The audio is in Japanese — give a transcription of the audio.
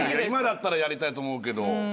今だったらやりたいと思うけど。